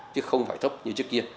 chứ không phải tốc như trước kia